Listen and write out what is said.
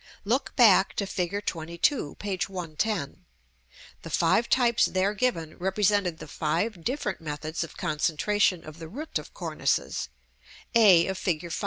Look back to Fig. XXII., p. 110. The five types there given, represented the five different methods of concentration of the root of cornices, a of Fig.